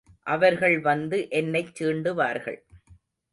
அவர்கள் வந்து என்னைச் சீண்டுவார்கள்.